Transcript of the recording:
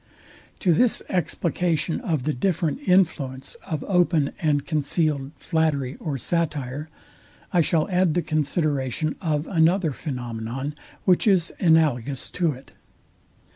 To this explication of the different influence of open and concealed flattery or satire, I shall add the consideration of another phenomenon, which is analogous to it.